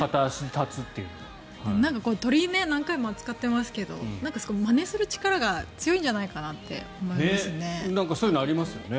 鳥って何回も扱ってますけどまねする力が強いんじゃないかなって思いますね。